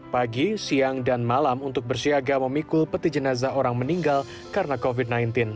pagi siang dan malam untuk bersiaga memikul peti jenazah orang meninggal karena covid sembilan belas